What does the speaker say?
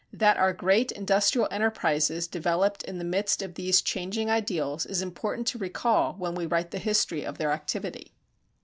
That our great industrial enterprises developed in the midst of these changing ideals is important to recall when we write the history of their activity.